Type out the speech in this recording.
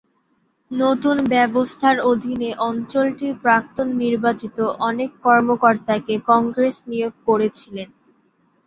নতুন ব্যবস্থার অধীনে, অঞ্চলটির প্রাক্তন নির্বাচিত অনেক কর্মকর্তাকে কংগ্রেস নিয়োগ করেছিলেন।